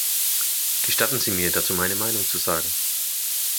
Gestatten Sie mir, dazu meine Meinung zu sagen.